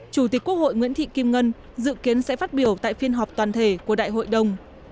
chủ tịch quốc hội nguyễn thị kim ngân dự kiến sẽ phát biểu tại phiên họp toàn thể của đại hội đồng